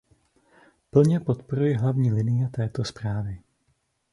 Plně podporuji hlavní linie této zprávy.